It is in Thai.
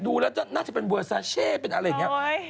ดูแล้วน่าจะเป็นเวอร์ซาเช่เป็นอะไรอย่างนี้